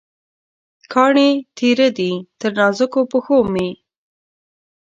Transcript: کاڼې تېره دي، تر نازکو پښومې